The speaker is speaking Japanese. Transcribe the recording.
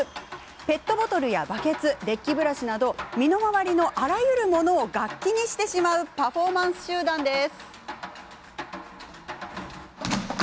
ペットボトルやバケツデッキブラシなど身の回りのあらゆるものを楽器にしてしまうパフォーマンス集団です。